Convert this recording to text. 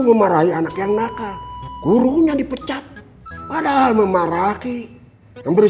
memarahi anak yang nakal gurunya dipecat padahal memarahi memberi